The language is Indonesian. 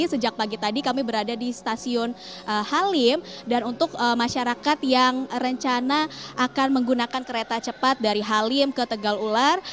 sejak pagi tadi kami berada di stasiun halim dan untuk masyarakat yang rencana akan menggunakan kereta cepat dari halim ke tegal ular